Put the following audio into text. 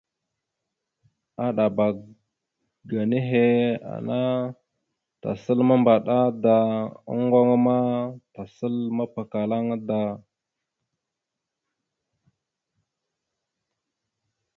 Aɗaba ga nehe ana, tasal mambaɗa da, oŋgo aŋa vaɗ ma tasal mapakala aŋa da.